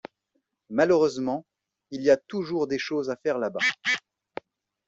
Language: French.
Malheureusement, il y a toujours des choses à faire là-bas.